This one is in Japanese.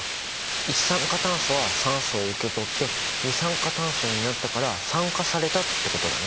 一酸化炭素は酸素を受け取って二酸化炭素になったから酸化されたってことだね。